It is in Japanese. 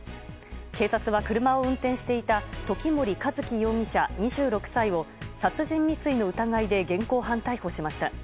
警察は車を運転していた時森一輝容疑者、２６歳を殺人未遂の疑いで現行犯逮捕しました。